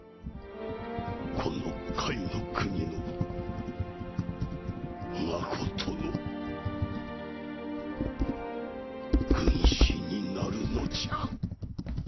この甲斐の国のまことの軍師になるのじゃ。